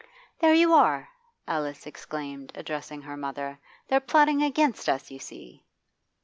'There you are!' Alice exclaimed, addressing her mother. 'They're plotting against us, you see.